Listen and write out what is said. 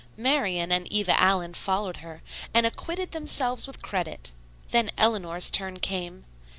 Marian and Eva Allen followed her, and acquitted themselves with credit. Then Eleanor's turn came.